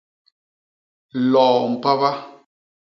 Loo mpaba!